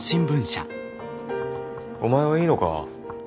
お前はいいのか？